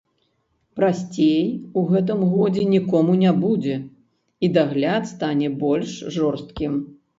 Прасцей у гэтым годзе нікому не будзе, і дагляд стане больш жорсткім.